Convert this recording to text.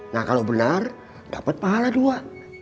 nah kalau benar dapat pahala dua